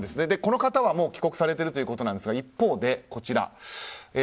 この方はもう帰国されているということですが一方でこちら。